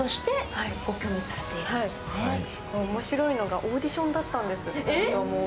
面白いのがオーディションだったんです、２人とも。